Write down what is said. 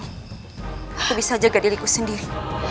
aku bisa jaga diriku sendiri